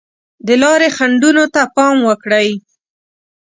د لارې خنډونو ته پام وکړئ.